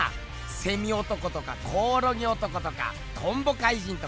セミ男とかコオロギ男とかトンボ怪人とか！